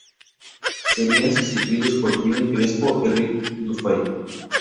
Serían sustituidos por Jimmy Crespo y Rick Dufay.